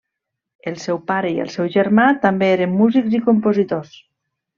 El seu pare i el seu germà també eren músics i compositors.